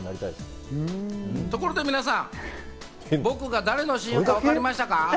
ところで皆さん、僕が誰の親友か分かりましたか？